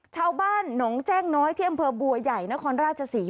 ชาวบ้านหนองแจ้งน้อยที่อำเภอบัวใหญ่นครราชศรี